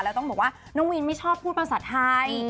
แล้วต้องบอกว่าน้องวินไม่ชอบพูดภาษาไทย